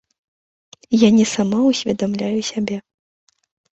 Я не самаўсведамляю сябе.